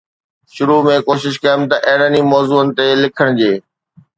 شروع ۾ ڪوشش ڪيم ته اهڙن ئي موضوعن تي لکڻ جي